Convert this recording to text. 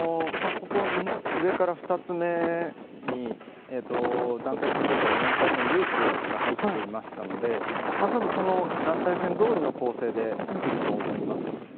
上から２つ目に団体戦のときは４回転ループが入っていましたので多分、団体戦どおりの構成でくると思います。